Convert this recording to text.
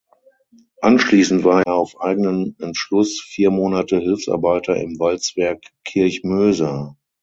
Anschließend war er auf eigenen Entschluss vier Monate Hilfsarbeiter im Walzwerk Kirchmöser.